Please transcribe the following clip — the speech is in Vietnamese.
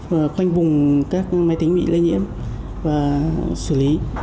và khoanh vùng các máy tính bị lây nhiễm và xử lý